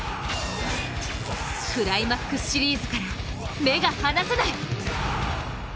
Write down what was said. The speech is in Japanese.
クライマックスシリーズから目が離せない！